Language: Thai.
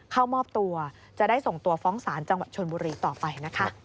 เข้ามอบตัวจะได้ส่งตัวฟ้องศาลจังหวัดชนบุรีต่อไปนะคะ